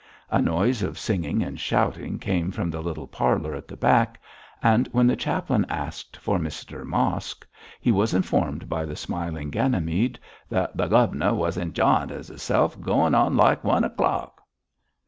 A noise of singing and shouting came from the little parlour at the back, and when the chaplain asked for Mr Mosk, he was informed by the smiling Ganymede that 'th' guv'nor was injiyin' of hisself, and goin' on like one o'clock.'